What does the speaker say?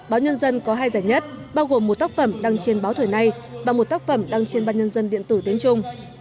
báo nhân dân có hai giải nhất bao gồm một tác phẩm đăng trên báo thời nay và một tác phẩm đăng trên báo nhân dân điện tử tiến trung